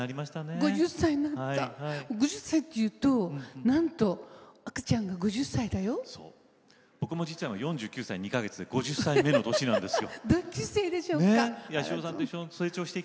５０歳というと僕も実は４９歳２か月、５０歳目の年なんですよ。